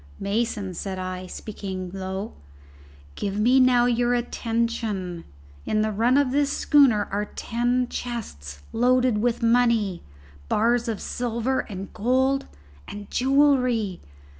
"Mason," said I, speaking low, "give me now your attention. In the run of this schooner are ten chests loaded with money, bars of silver and gold, and jewellery.